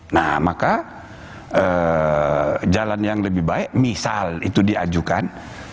nah maka jalan yang lebih baik misal itu diajukan